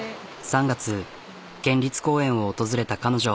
３月県立公園を訪れた彼女。